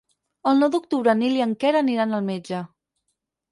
El nou d'octubre en Nil i en Quer aniran al metge.